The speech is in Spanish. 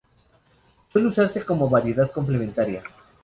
Suele usarse como variedad complementaria.